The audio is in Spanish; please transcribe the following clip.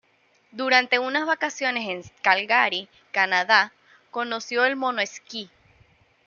Durante unas vacaciones en Calgary, Canadá, conoció el mono-esquí.